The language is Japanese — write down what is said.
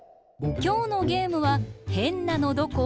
きょうのゲームはへんなのどこ？